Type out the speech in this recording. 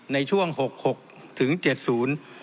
ในช่วง๖๖ถึง๗ศูนย์